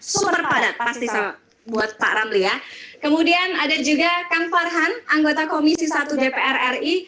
super padat pasti sama buat pak ramli ya kemudian ada juga kang farhan anggota komisi satu dpr ri